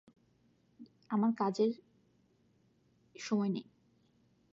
আমার এই কাজের সময় নেই।